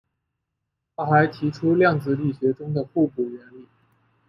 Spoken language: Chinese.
他还提出量子力学中的互补原理。